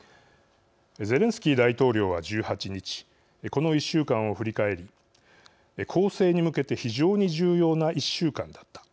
ゼレンスキー大統領は１８日この１週間を振り返り「攻勢に向けて非常に重要な１週間だった。